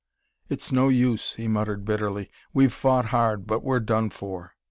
"It's no use," he muttered bitterly. "We've fought hard, but we're done for."